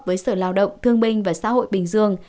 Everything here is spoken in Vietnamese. với sở lao động thương binh và xã hội bình dương